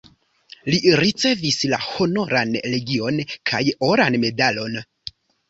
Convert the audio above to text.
Li ricevis la Honoran legion kaj oran medalon.